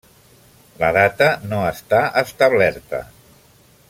La data no està establerta.